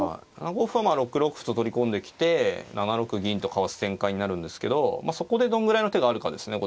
７五歩は６六歩と取り込んできて７六銀とかわす展開になるんですけどそこでどんぐらいの手があるかですね。